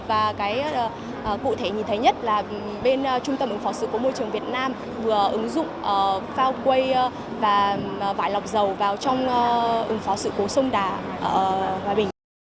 và cụ thể nhìn thấy nhất là bên trung tâm ứng phó sự cố môi trường việt nam vừa ứng dụng phao quay và vải lọc dầu vào trong ứng phó sự cố sông đà ở hòa bình